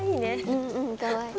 うんうんかわいい。